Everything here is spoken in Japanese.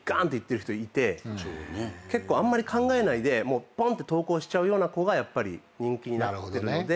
結構あんまり考えないでポンって投稿しちゃうような子がやっぱり人気になってるので。